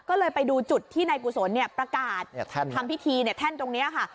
ก็เลยไปดูจุดที่นายกุศลประกาศทำพิธีแท่นตรงนี้ค่ะ